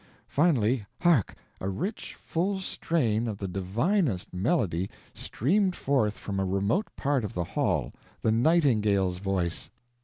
Finally hark! A rich, full strain of the divinest melody streamed forth from a remote part of the hall the nightingale's voice!